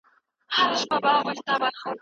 د څيړني په لاره کي صبر او زغم پکار دی.